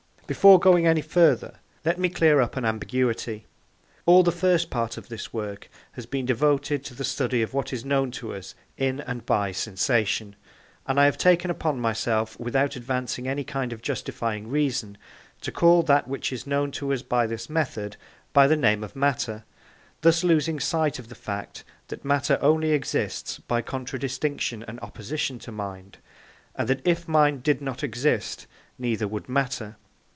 Before going any further, let me clear up an ambiguity. All the first part of this work has been devoted to the study of what is known to us in and by sensation; and I have taken upon myself, without advancing any kind of justifying reason, to call that which is known to us, by this method, by the name of matter, thus losing sight of the fact that matter only exists by contra distinction and opposition to mind, and that if mind did not exist, neither would matter.